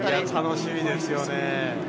楽しみですよね。